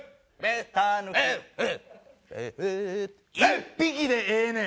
１匹でええねん！